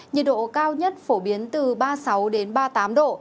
nhiệt độ cao nhất phổ biến từ ba mươi sáu đến ba mươi tám độ